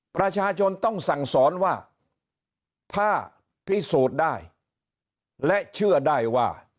ประชาชนต้องสั่งสอนว่าถ้าพิสูจน์ได้และเชื่อได้ว่า